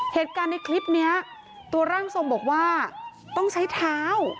เหตุการณ์ในคลิปนี้ตัวร่างทรงบอกว่าต้องใช้เท้า